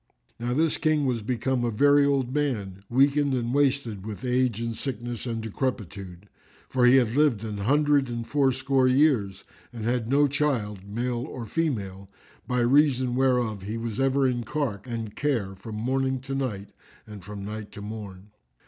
Now this King was become a very old man, weakened and wasted with age and sickness and decrepitude; for he had lived an hundred and fourscore years and had no child, male or female, by reason whereof he was ever in cark and care from morning to night and from night to morn.